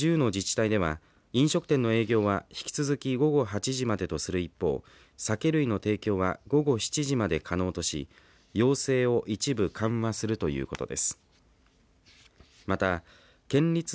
残る１０の自治体では飲食店の営業は引き続き午後８時までとする一方酒類の提供は午後７時まで可能とし要請を一部緩和するということです。